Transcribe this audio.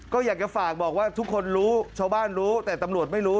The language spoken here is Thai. ก็อยากจะฝากบอกว่าทุกคนรู้ชาวบ้านรู้แต่ตำรวจไม่รู้